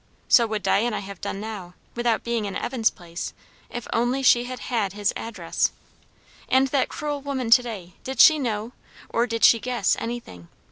So would Diana have done now, without being in Evan's place, if only she had had his address. And that cruel woman to day! did she know, or did she guess, anything?